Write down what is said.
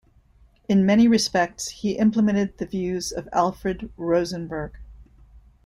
In many respects, he implemented the views of Alfred Rosenberg.